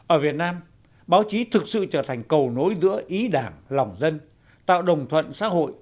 ở việt nam báo chí thực sự trở thành cầu nối giữa ý đảng lòng dân tạo đồng thuận xã hội